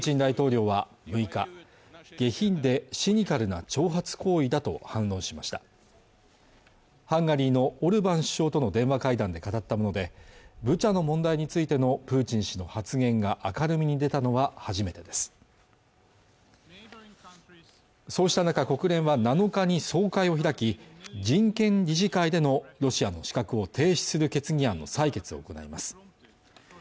プーチン大統領は６日下品でシニカルな挑発行為だと反論しましたハンガリーのオルバン首相との電話会談で語ったものでブチャの問題についてのプーチン氏の発言が明るみに出たのは初めてですそうした中国連は７日に総会を開き人権理事会でのロシアの資格を停止する決議案の採決を行います